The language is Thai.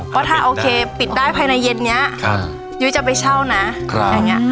ว่าถ้าโอเคปิดได้ภายในเย็นนี้ค่ะยุ้ยจะไปเช่านะครับอย่างเงี้ย